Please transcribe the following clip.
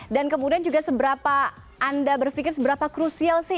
dan kemudian juga seberapa anda berpikir seberapa krusial sih